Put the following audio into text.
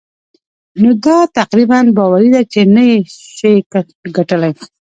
نو دا تقريباً باوري ده چې نه يې شې ګټلای.